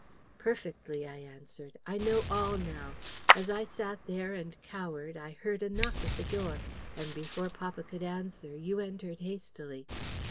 "Perfectly," I answered. "I know all now. As I sat there and cowered, I heard a knock at the door, and before papa could answer, you entered hastily.